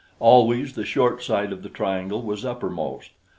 Always the short side of the triangle was uppermost.